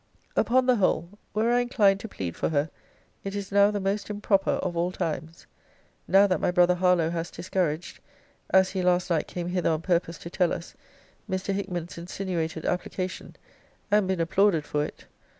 Upon the whole: were I inclined to plead for her, it is now the most improper of all times. Now that my brother Harlowe has discouraged (as he last night came hither on purpose to tell us) Mr. Hickman's insinuated application; and been applauded for it.